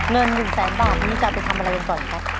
เงิน๑แสนบาทนี้จะไปทำอะไรกันก่อนครับ